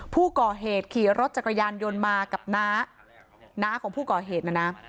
ผู้ก่อเหตุขี่รถจักรยานยนต์มากับน้าน้าของผู้ก่อเหตุนะนะ